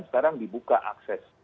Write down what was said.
sekarang dibuka akses